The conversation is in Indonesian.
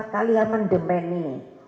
empat kali amandemen ini